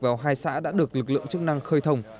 vào hai xã đã được lực lượng chức năng khơi thông